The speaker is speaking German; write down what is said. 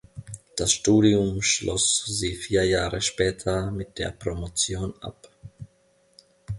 Das Studium schloss sie vier Jahre später mit der Promotion ab.